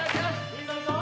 ・いいぞいいぞ。